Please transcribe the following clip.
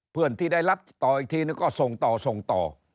เพื่อนที่ได้รับต่ออีกทีนึงก็ส่งต่อส่งต่อ